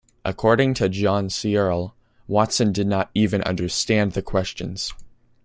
According to John Searle, Watson did not even understand the questions.